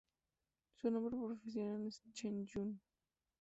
Su nombre profesional es "Chee-Yun".